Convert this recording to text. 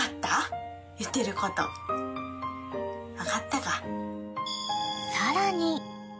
分かったか。